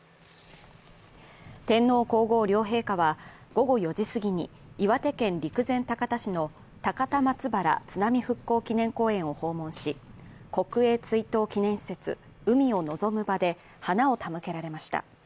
天皇皇后両陛下は午後４時すぎに岩手県陸前高田市の高田松原津波復興祈念公園を訪問し、国営追悼・祈念施設海を望む場で花を手向けられました。